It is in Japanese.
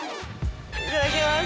いただきます。